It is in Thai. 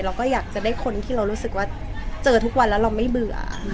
เราก็อยากจะได้คนที่เรารู้สึกว่าเจอทุกวันแล้วเราไม่เบื่อ